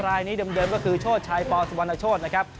รายนี้เดิมก็คือโชชชายปสวนโชชนะครับ